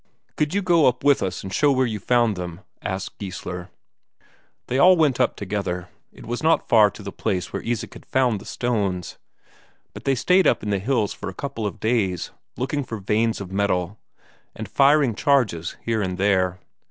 "Could you go up with us and show where you found them?" asked Geissler. They all went up together; it was not far to the place where Isak had found the stones, but they stayed up in the hills for a couple of days, looking for veins of metal, and firing charges here and there.